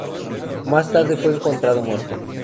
Más tarde fue encontrado muerto.